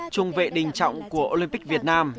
trung vệ đình trọng của olympic việt nam